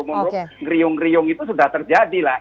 nah hukum riung itu sudah terjadi lah